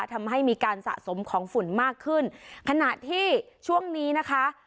ทำให้มีการสะสมของฝุ่นมากขึ้นขณะที่ช่วงนี้นะคะ